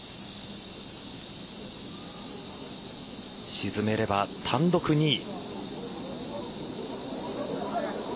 沈めれば単独２位。